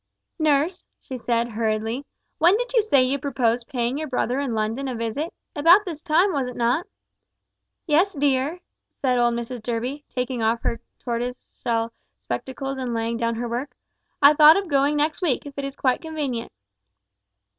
"Nurse," she said, hurriedly, "when did you say you proposed paying your brother in London a visit about this time, was it not?" "Yes, dear," said old Mrs Durby, taking off her tortoise shell spectacles and laying down her work, "I thought of going next week, if it is quite convenient."